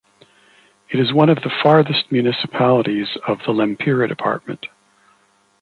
It is one of the farthest municipalities of the Lempira department.